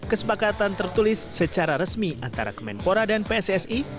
kesepakatan tertulis secara resmi antara kemenpora dan pssi